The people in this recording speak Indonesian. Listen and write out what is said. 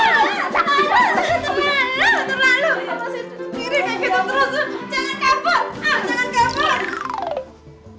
terlalu kira kira terus